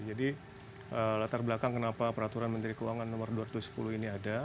jadi latar belakang kenapa peraturan menteri keuangan nomor dua ratus sepuluh ini ada